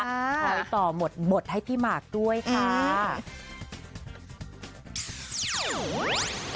ถอยต่อหมดให้พี่หมากด้วยค่ะ